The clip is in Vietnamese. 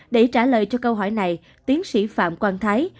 để trả lời cho câu hỏi này tiến sĩ phạm quang thái